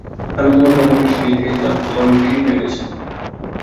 আমি তোমাকে অনেক বেশি ঢিল দিয়েছিলাম, কিন্তু অনেক দেরি হয়ে গেছে এখন।